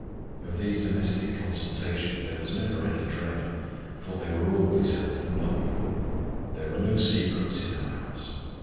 Of these domestic consultations there was never any dread, for they were always held in public. There were no secrets in our house.